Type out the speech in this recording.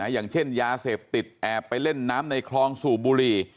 อย่างเช่นยาเสพติดแอบไปเล่นน้ำในคลองสูบบุหรี่